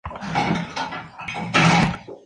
El nombre específico honra al jefe Shaka Zulu.